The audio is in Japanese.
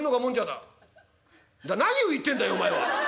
「だから何を言ってんだよお前は」。